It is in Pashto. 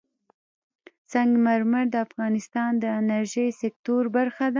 سنگ مرمر د افغانستان د انرژۍ سکتور برخه ده.